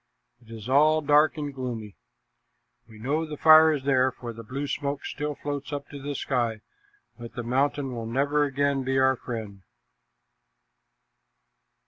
It is all dark and gloomy. We know the fire is there, for the blue smoke still floats up to the sky, but the mountain will never again be our friend."